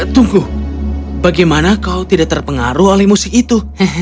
tunggu bagaimana kau tidak terpengaruh oleh musik itu